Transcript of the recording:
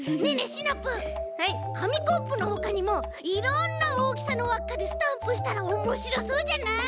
シナプーかみコップのほかにもいろんなおおきさのわっかでスタンプしたらおもしろそうじゃない？